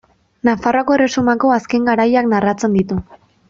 Nafarroako erresumako azken garaiak narratzen ditu.